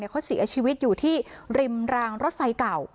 เขาเสียชีวิตอยู่ที่ริมรางรถไฟเก่า